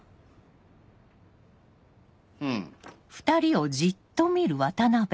うん。